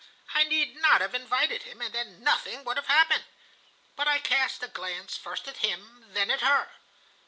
I need not have invited him, and then nothing would have happened. But I cast a glance first at him, then at her.